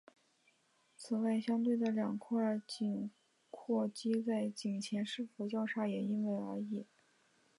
此外相对的两块颈阔肌在颈前是否交叉也因人而异。